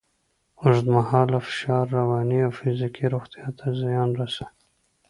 اوږدمهاله فشار رواني او فزیکي روغتیا ته زیان رسوي.